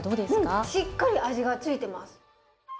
うんしっかり味が付いてます。